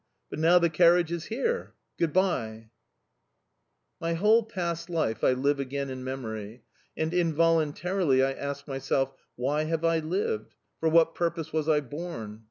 But now the carriage is here... Good bye!... My whole past life I live again in memory, and, involuntarily, I ask myself: 'why have I lived for what purpose was I born?